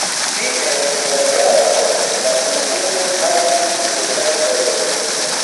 Fine de la jaro la komunumo havis loĝantojn.